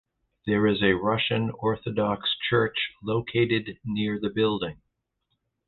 There is an Russian Orthodox Church located near the building.